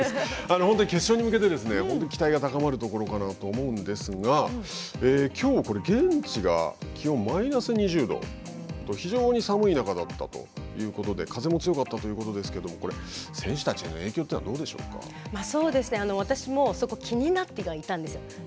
本当に決勝に向けて期待が高まるところかなと思うんですがきょうこれ現地が気温マイナス２０度と非常に寒い中だったということで風も強かったということですけどもこれ、選手たちへの影響というの私もそこは気になってはいたんですよ。